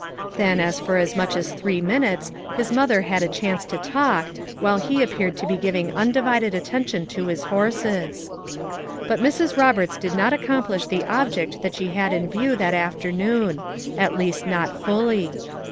Then, for as much as three minutes his mother had a chance to talk, while he appeared to he giving undivided attention to his horses. But Mrs. Roberts did not accomplish the ob ject that she had in view that afternoon; at least not fully.